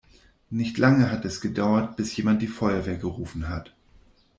Nicht lange hat es gedauert, bis jemand die Feuerwehr gerufen hat.